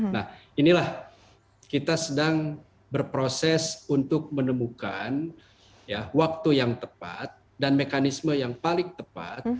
nah inilah kita sedang berproses untuk menemukan waktu yang tepat dan mekanisme yang paling tepat